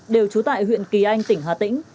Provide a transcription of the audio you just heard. đều trú tại huyện kỳ anh tỉnh hà tĩnh